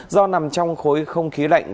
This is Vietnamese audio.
do nằm trong khối không khí lạnh